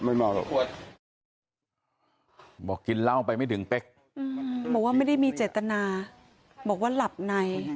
ผมหลับในเลยครับไม่รู้สึกตัวอยู่ไหนไหน